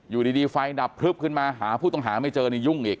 อยู่ดีไฟดับพลึบขึ้นมาหาผู้ต้องหาไม่เจอนี่ยุ่งอีก